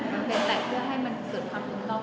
มันเพียงแต่เพื่อให้มันเกิดความถูกต้อง